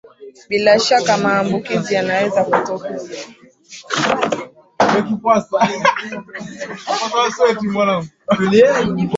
Bila shaka maambukizi yanaweza kutokea